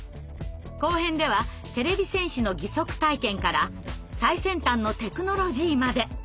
後編ではてれび戦士の義足体験から最先端のテクノロジーまで。